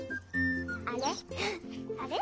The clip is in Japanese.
あれ？